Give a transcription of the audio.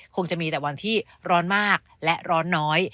คงจะมีแต่วันที่ร้อนมากและร้อนน้อย